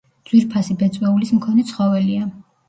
ძვირფასი ბეწვეულის მქონე ცხოველია.